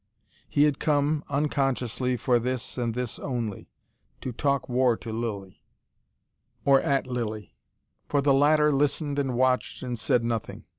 He had come, unconsciously, for this and this only, to talk war to Lilly: or at Lilly. For the latter listened and watched, and said nothing.